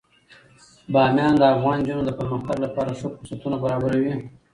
بامیان د افغان نجونو د پرمختګ لپاره ښه فرصتونه برابروي.